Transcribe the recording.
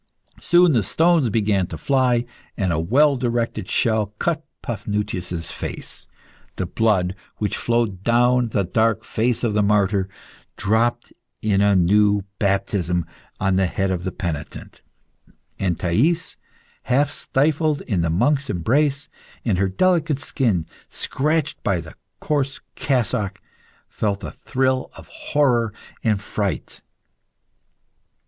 Soon the stones began to fly, and a well directed shell cut Paphnutius' face. The blood, which flowed down the dark face of the martyr, dropped in a new baptism on the head of the penitent, and Thais, half stifled in the monk's embrace and her delicate skin scratched by the coarse cassock, felt a thrill of horror and fright.